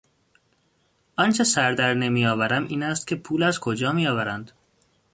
آنچه سردر نمیآورم این است که پول از کجا میآورند.